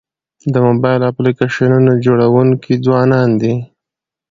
د موبایل اپلیکیشنونو جوړونکي ځوانان دي.